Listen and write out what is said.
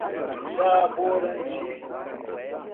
Jaborandi